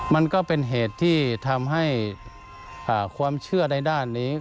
มันก็เป็นเหตุที่ทำให้ความเชื่อในด้านนี้